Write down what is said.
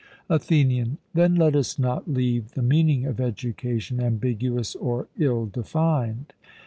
ATHENIAN: Then let us not leave the meaning of education ambiguous or ill defined.